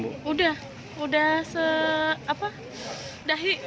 sudah sudah sedahi